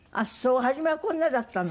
初めはこんなだったの？